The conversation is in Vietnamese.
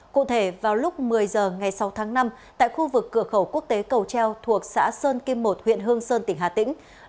cụ thể vào lúc một mươi h ngày sáu tháng năm tại khu vực cửa khẩu quốc tế cầu treo thuộc xã sơn kim một huyện hương sơn tỉnh hà tĩnh